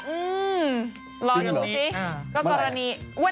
จริงเหรอ